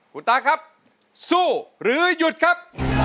คุณตาครับสู้หรือหยุดครับ